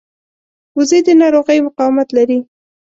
وزې د ناروغیو مقاومت لري